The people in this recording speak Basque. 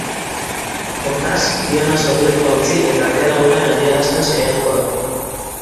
Hortaz, Diana sorlekua utzi eta gerra hura geldiarazten saiatuko da.